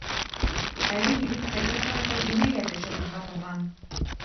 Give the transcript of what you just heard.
Әле егеттәргә ҡарата енәйәт эше ҡуҙғатылған.